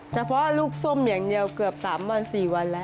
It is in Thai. แต่เพราะลูกส้มเหนียงเดียวเกือบ๓๔วันแล้ว